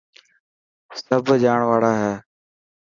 سڀ جاڻ واڙا هي.